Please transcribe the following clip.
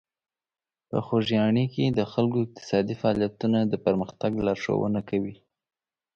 په خوږیاڼي کې د خلکو اقتصادي فعالیتونه د پرمختګ لارښوونه کوي.